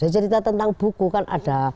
cerita tentang buku kan ada